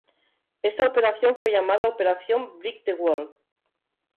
Esta operación fue llamada "Operación Break the World".